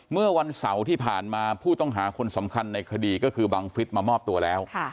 เมื่อวันเสาร์ที่ผ่านมาผู้ต้องหาคนสำคัญในคดีก็คือบังฟิศมามอบตัวแล้ว